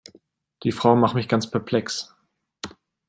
Die Frau macht mich ganz perplex.